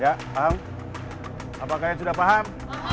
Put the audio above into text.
ya paham apakah kalian sudah paham